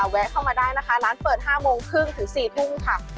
แวะเข้ามาได้นะคะร้านเปิด๕โมงครึ่งถึง๔ทุ่มค่ะ